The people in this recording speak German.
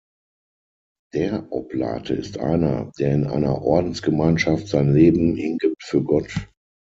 Der Oblate ist einer, der in einer Ordensgemeinschaft sein Leben hingibt für Gott.